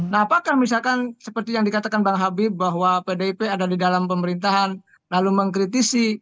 nah apakah misalkan seperti yang dikatakan bang habib bahwa pdip ada di dalam pemerintahan lalu mengkritisi